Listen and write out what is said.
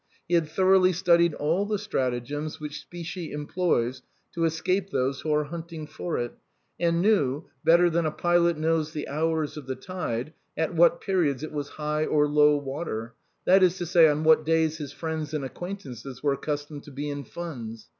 He had thoroughly studied all the stratagems which specie employs 16 THE BOHEMIANS OF THE LATIN QUARTER. to escape those who are hunting for it; and knew, better than a pilot knows the hours of the tide, at what periods it was high or low water; that is to say, on what days his friends and acquaintances were accustomed to be in funds.